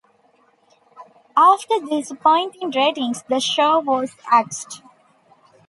After disappointing ratings, the show was axed.